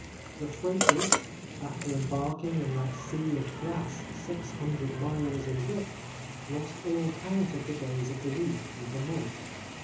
The freighters, after embarking In that sea of grass six hundred miles In width, lost all count of the days of the week and the month.